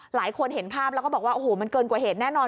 หลายคนเห็นภาพแล้วก็บอกว่าโอ้โหมันเกินกว่าเหตุแน่นอน